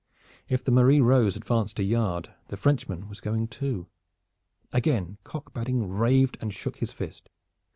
If the Marie Rose advanced a yard the Frenchman was going two. Again Cock Badding raved and shook his fist.